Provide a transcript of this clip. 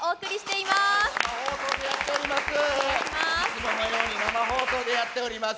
いつものように生放送でやっております。